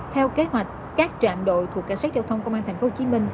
theo kế hoạch các trạm đội thuộc cảnh sát giao thông công an tp hcm